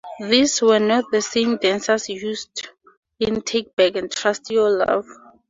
These were not the same dancers used in "Take Back" and "Trust Your Love.